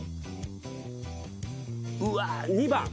うわっ２番。